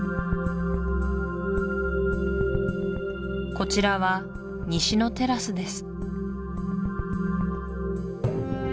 こちらは西のテラスです